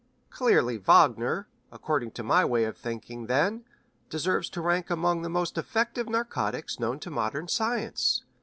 Clearly Wagner, according to my way of thinking, then, deserves to rank among the most effective narcotics known to modern science.